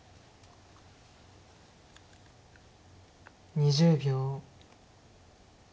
２０秒。